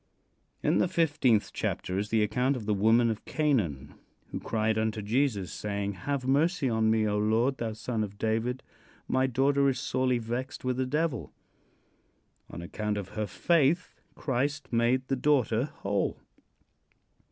In the fifteenth chapter is the account of the woman of Canaan who cried unto Jesus, saying: "Have mercy on me, O Lord, thou son of David. My daughter is sorely vexed with a devil." On account of her faith Christ made the daughter whole.